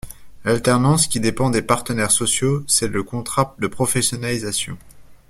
L’alternance qui dépend des partenaires sociaux, c’est le contrat de professionnalisation.